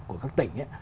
của các tỉnh